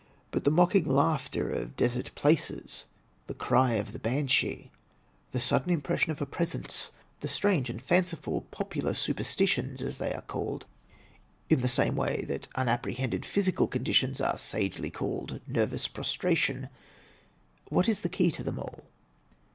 But the 'mocking laughter' of desert places, the cry of the banshee, the sudden impression of a presence, the strange and fanciful popular superstitions, as they are called, in the same way that unapprehended physical conditions are sagely called nervous prostration — what is the key to them all?